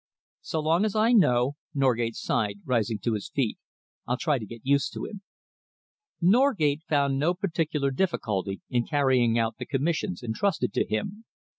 "So long as I know," Norgate sighed, rising to his feet, "I'll try to get used to him." Norgate found no particular difficulty in carrying out the commissions entrusted to him.